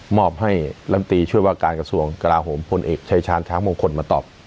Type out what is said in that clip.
อบให้ลำตีช่วยว่าการกระทรวงกราโหมพลเอกชายชาญช้างมงคลมาตอบ